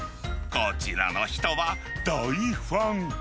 こちらの人は、大ファン。